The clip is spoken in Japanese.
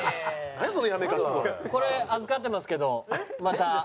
これ預かってますけどまた一枚。